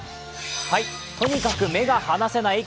とにかく目が離せない